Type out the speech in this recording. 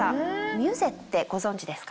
ミュゼってご存じですか？